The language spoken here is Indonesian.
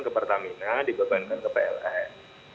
ke pertamina dibebankan ke pln